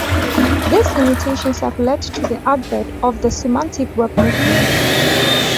These limitations have led to the advent of the Semantic web movement.